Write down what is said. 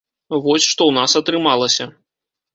Вось што ў нас атрымалася.